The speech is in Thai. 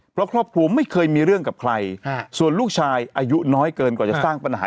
เพราะครอบครัวไม่เคยมีเรื่องกับใครส่วนลูกชายอายุน้อยเกินกว่าจะสร้างปัญหา